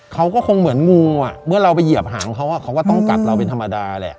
เขาก็คงเหมือนงูอ่ะเมื่อเราไปเหยียบหางเขาเขาก็ต้องกัดเราเป็นธรรมดาแหละ